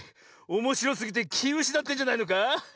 おもしろすぎてきうしなってんじゃないのか？